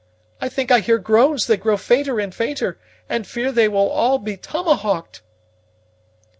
I think I hear groans that grow fainter and fainter, and fear that they will all be tomahawked!"